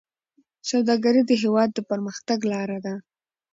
سوداګري د هېواد د پرمختګ لاره ده.